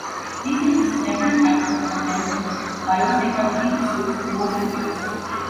Recently several factors have rendered biosecurity issues more severe.